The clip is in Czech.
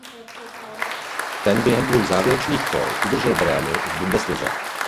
Ten během dvou závěrečných kol udržel Brémy v Bundeslize.